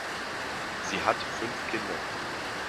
Sie hat fünf Kinder.